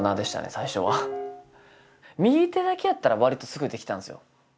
最初は右手だけやったらわりとすぐできたんですよ